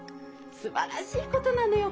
すばらしいことなのよ